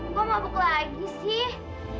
kok mabuk lagi sih